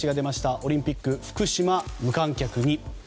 オリンピック福島、無観客に。